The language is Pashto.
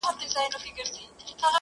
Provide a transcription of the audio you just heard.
o پيشي هم د کېس مېرمن سوه!